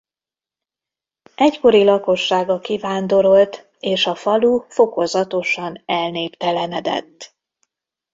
Egykori lakossága kivándorolt és a falu fokozatosan elnéptelenedett.